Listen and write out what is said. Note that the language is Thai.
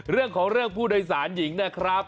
เรื่องของเรื่องผู้โดยสารหญิงนะครับ